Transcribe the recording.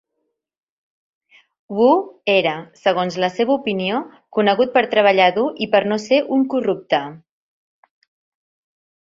Wu era, segons la seva opinió, conegut per treballar dur i per no ser un corrupte.